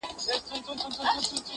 نه چې د راز زړۀ محترم بدل دے